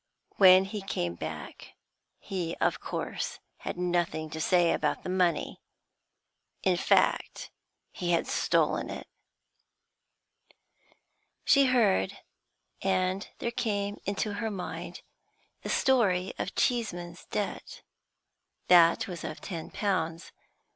When he came back hoof course had nothing to say about the money; in fact, he had stolen it.' She heard, and there came into her mind the story of Cheeseman's debt. That was of ten pounds.